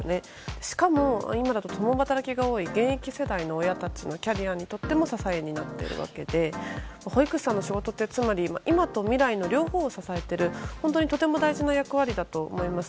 しかも今だと共働きが多い現役世代の親たちのキャリアにとっても支えになっていて保育士さんの仕事ってつまり今と未来の両方を支えている本当にとても大事な役割だと思います。